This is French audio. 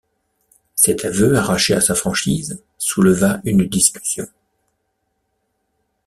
Cet aveu, arraché à sa franchise, souleva une discussion.